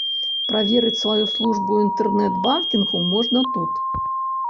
Праверыць сваю службу інтэрнэт-банкінгу можна тут.